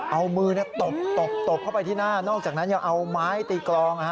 เอามือตบเข้าไปที่หน้านอกจากนั้นยังเอาไม้ตีกลอง